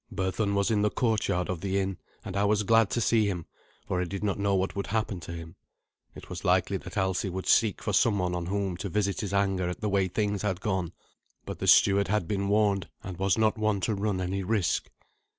Berthun was in the courtyard of the inn, and I was glad to see him, for I did not know what would happen to him. It was likely that Alsi would seek for someone on whom to visit his anger at the way things had gone. But the steward had been warned, and was not one to run any risk.